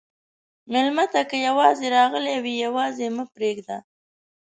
مېلمه ته که یواځې راغلی وي، یواځې مه پرېږده.